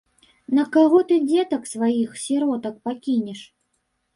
На каго ты дзетак сваіх, сіротак, пакінеш?